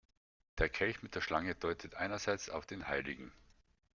Der Kelch mit der Schlange deutet einerseits auf den hl.